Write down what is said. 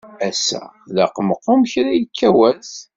Ass-a d aɣemɣum kra yekka wass.